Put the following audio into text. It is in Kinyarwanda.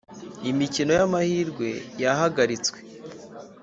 Imikino y amahirwe yahagaratswe